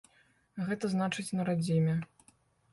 Гэта значыць на радзіме.